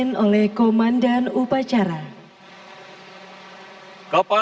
tiga langkah ke depan